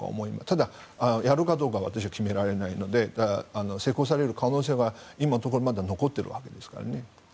ただ、やるかどうかは私は決められないので施行される可能性は今のところ残っていますからね。